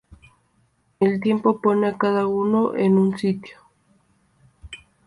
El tiempo pone a cada uno en su sitio